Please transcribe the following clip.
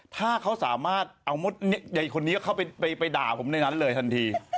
ถ้าเขาสามารถเอามดใหญ่คนนี้เข้าไปด่าผมในนั้นเลยทันที